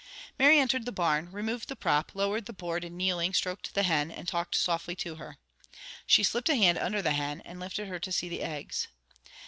Mary entered the barn, removed the prop, lowered the board, and kneeling, stroked the hen, and talked softly to her. She slipped a hand under the hen, and lifted her to see the eggs.